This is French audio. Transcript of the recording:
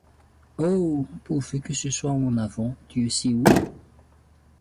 Oh ! pourvu que ce soit en avant, Dieu sait où